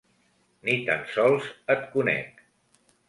Ni tan sols et conec.